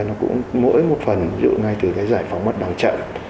nó cũng mỗi một phần dự ngay từ cái giải phóng mất bằng trận